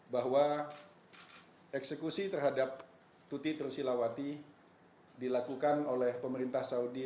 bahwa eksekusi terhadap tuti trusilawati dilakukan oleh pemerintah saudi